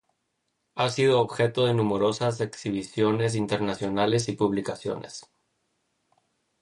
Ha sido objeto de numerosas exhibiciones internacionales y publicaciones.